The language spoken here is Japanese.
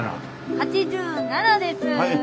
８７です！